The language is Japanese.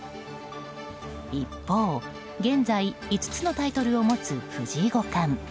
一方、現在５つのタイトルを持つ藤井五冠。